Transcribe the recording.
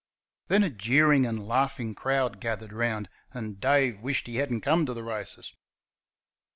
Then a jeering and laughing crowd gathered round, and Dave wished he had n't come to the races.